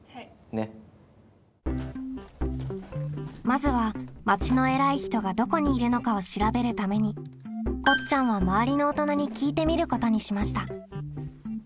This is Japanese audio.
まずは町のえらい人がどこにいるのかを調べるためにこっちゃんは「まわりの大人に聞いてみる」ことにしました。